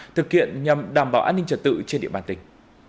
thực hiện nhằm đảm bảo an ninh trật tự trên địa bàn tỉnh